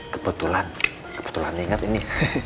kebetulan kebetulan inget ini